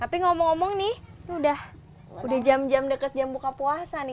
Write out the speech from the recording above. tapi ngomong ngomong nih udah jam jam deket jam buka puasa nih